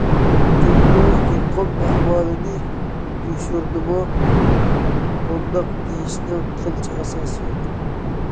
جۇڭگو يۇقۇم ئەھۋالىنى يوشۇردىمۇ؟ بۇنداق دېيىشنىڭ قىلچە ئاساسى يوق!